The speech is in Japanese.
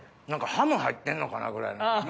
ハム入ってんのかな？ぐらいの。